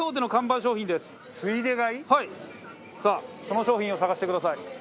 さあその商品を探してください。